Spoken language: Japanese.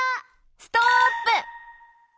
ストップ！